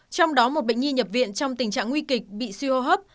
trong đó một bệnh nhi nhập viện trong tình trạng nguy kịch bị suy hô hấp